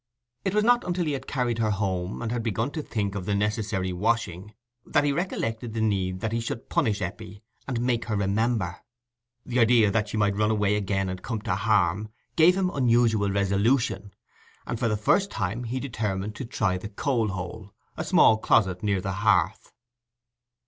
It was not until he had carried her home, and had begun to think of the necessary washing, that he recollected the need that he should punish Eppie, and "make her remember". The idea that she might run away again and come to harm, gave him unusual resolution, and for the first time he determined to try the coal hole—a small closet near the hearth.